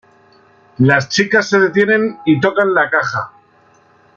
Las chicas se detienen y tocan la caja.